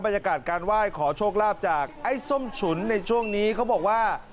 บรรยากาศการไหว้ขอโชคลาภจากไอ้ส้มฉุนในช่วงนี้เขาบอกว่า